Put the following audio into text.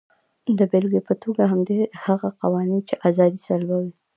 د بېلګې په توګه هغه قوانین چې ازادي سلبوي.